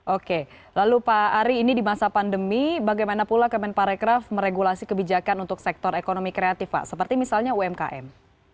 oke lalu pak ari ini di masa pandemi bagaimana pula kemenparekraf meregulasi kebijakan untuk sektor ekonomi kreatif pak seperti misalnya umkm